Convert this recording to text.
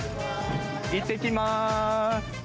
いってきます！